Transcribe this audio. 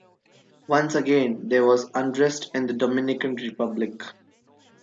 Once again there was unrest in the Dominican Republic.